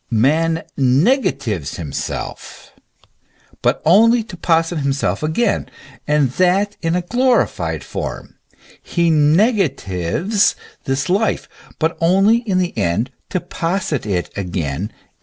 Man negatives himself, but only to posit himself again, and that in a glorified form : he negatives this life, but only, in the end, to posit it again in the future life.